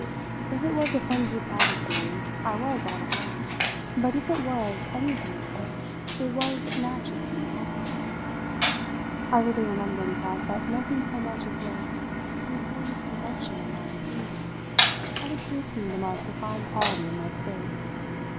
If it was a frenzied fallacy I was all to blame, but if it was anything else whatever it was naturally intoxicating. I really remember in fact that nothing so much as this confirmed presumption of my impunity had appeared to me to mark the fine quality of my state.